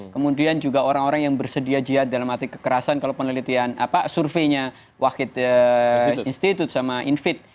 kemudian juga orang orang yang bersedia jihad dalam arti kekerasan kalau penelitian apa surveinya wakil institut sama infid